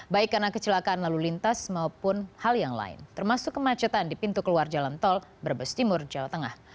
baik karena kecelakaan lalu lintas maupun hal yang lain termasuk kemacetan di pintu keluar jalan tol brebes timur jawa tengah